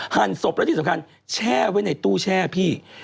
หันศพและที่สำคัญแช่ไว้ในตู้แช่พี่